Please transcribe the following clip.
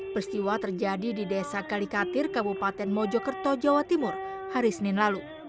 peristiwa terjadi di desa kalikatir kabupaten mojokerto jawa timur hari senin lalu